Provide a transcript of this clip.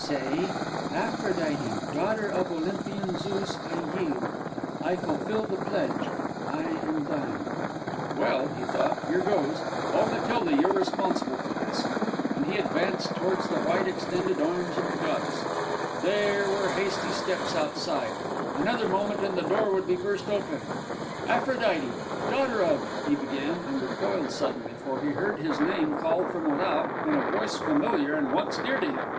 "Say, 'Aphrodite, daughter of Olympian Zeus, I yield; I fulfil the pledge; I am thine!'" "Well," he thought, "here goes. Oh, Matilda, you're responsible for this!" And he advanced towards the white extended arms of the goddess. There were hasty steps outside; another moment and the door would be burst open. "Aphrodite, daughter of " he began, and recoiled suddenly; for he heard his name called from without in a voice familiar and once dear to him.